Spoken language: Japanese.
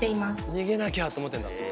逃げなきゃって思ってんだ。